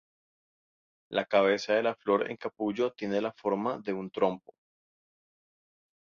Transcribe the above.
La cabeza de la flor en capullo tiene la forma de un trompo.